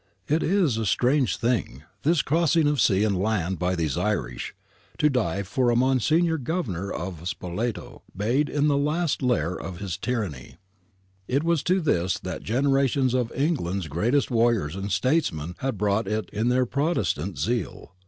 It is a strange thing, this crossing of sea and land by these Irish, to die for a Monsignor Governor of Spoleto, bayed in the last lair of his tyranny. It was to this that generations of England's greatest warriors and statesmen had brought it in their Protestant zeal.